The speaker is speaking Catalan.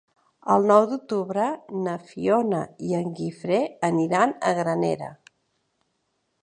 El nou d'octubre na Fiona i en Guifré aniran a Granera.